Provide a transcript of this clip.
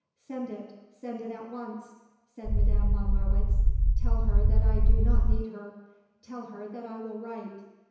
"Send it; send it at once," said Madame von Marwitz. "Tell her that I do not need her. Tell her that I will write."